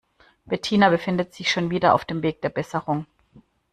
Bettina befindet sich schon wieder auf dem Weg der Besserung.